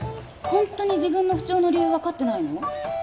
ほんとに自分の不調の理由わかってないの？